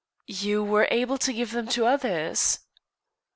"You were able to give them to others."